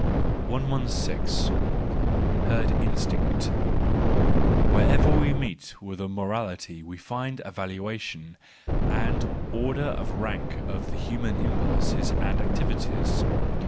Herd Instinct. — Wherever we meet with a morality we find a valuation and order of rank of the human impulses and activities.